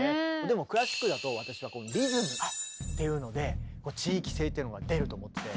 でもクラシックだと私はリズムっていうので地域性っていうのが出ると思ってて。